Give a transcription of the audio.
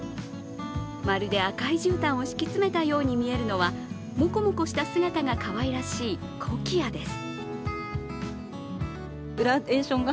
まるで赤いじゅうたんを敷き詰めたように見えるのはモコモコした姿がかわいらしいコキアです。